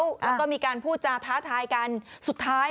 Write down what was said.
แล้วก็มีการพูดจาท้าทายกันสุดท้าย